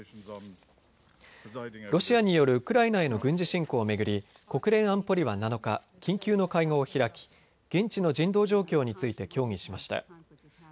ロシアによるウクライナへの軍事侵攻を巡り国連安保理は７日、緊急の会合を開き、現地の人道状況について協議しました。